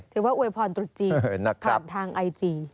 อวยพรตรุษจีนผ่านทางไอจี